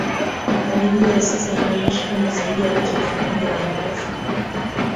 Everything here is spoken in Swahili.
Makadirio ya sasa yanaonesha kwamba zaidi ya watu elfu moja walikufa